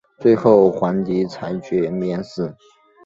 最后皇帝裁决免死。